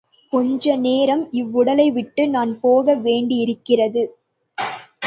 கொஞ்ச நேரம் இவ்வுடலை விட்டு நான் போக வேண்டியிருக்கிறது.